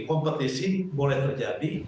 kompetisi boleh terjadi